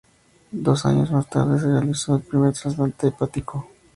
Dos años más tarde, se realizó el primer trasplante hepático.